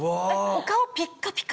お顔ピッカピカ